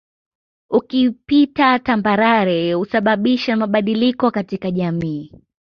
Ukipita tambarare husababisha mabadiliko katika jamii